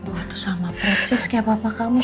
wah itu sama persis kayak papa kamu suka ngambekan itu